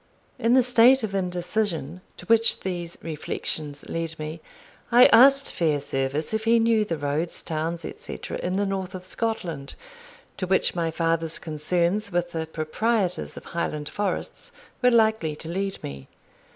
In the state of indecision to which these reflections led me, I asked Fairservice if he knew the roads, towns, etc., in the north of Scotland, to which my father's concerns with the proprietors of Highland forests were likely to lead me.